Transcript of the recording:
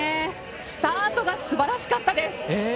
スタートがすばらしかったです。